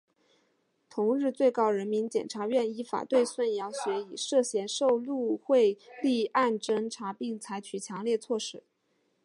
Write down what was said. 同日最高人民检察院依法对孙兆学以涉嫌受贿罪立案侦查并采取强制措施。